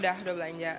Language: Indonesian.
udah udah belanja